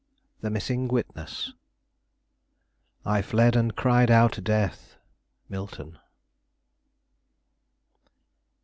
THE MISSING WITNESS "I fled and cried out death." Milton.